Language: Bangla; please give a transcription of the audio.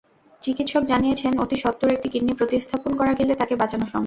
চিকিৎসক জানিয়েছেন, অতি সত্বর একটি কিডনি প্রতিস্থাপন করা গেলে তাঁকে বাঁচানো সম্ভব।